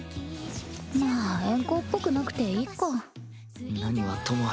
まあ援交っぽくなくていいか。